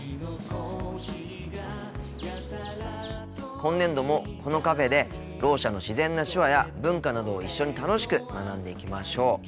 今年度もこのカフェでろう者の自然な手話や文化などを一緒に楽しく学んでいきましょう。